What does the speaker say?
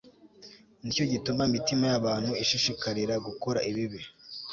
ni cyo gituma imitima y'abantu ishishikarira gukora ibibi